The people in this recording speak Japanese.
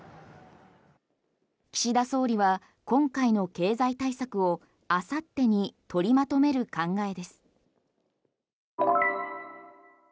岸田総理は今回の経済対策をあさってに取りまとめる考えです。